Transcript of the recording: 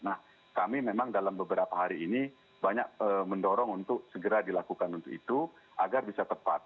nah kami memang dalam beberapa hari ini banyak mendorong untuk segera dilakukan untuk itu agar bisa tepat